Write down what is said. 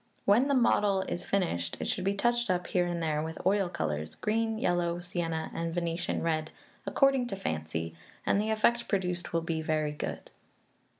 When the model is finished, it should be touched up here and there with oil colours green, yellow, sienna, and Venetian red according to fancy, and the effect produced will be very good.